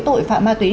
tội phạm ma túy